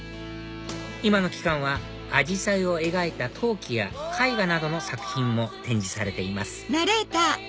今の期間はアジサイを描いた陶器や絵画などの作品も展示されています